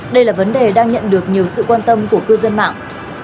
đây là vấn đề đang nhận được nhiều sự quan tâm của cư dân mạng